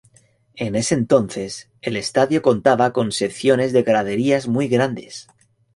En ese entonces, el estadio contaba con secciones de graderías muy grandes.